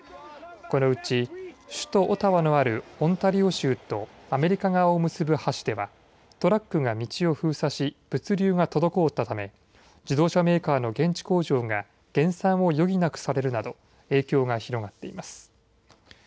このうち首都オタワのあるオンタリオ州と、アメリカ側を結ぶ橋では、トラックが道を封鎖し、物流が滞ったため、自動車メーカーの現地工場が、減産を余儀なくされるなど、影響が広がっています。